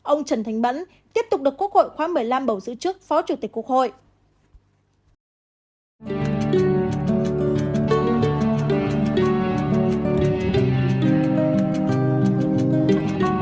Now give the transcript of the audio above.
ông trần thánh mẫn tiếp tục được quốc hội khóa một mươi năm bầu giữ chức phó chủ tịch quốc hội